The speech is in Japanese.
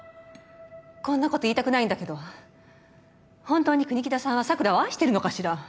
こんな事言いたくないんだけど本当に国木田さんは桜を愛してるのかしら？